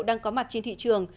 đang có mặt trên thị trường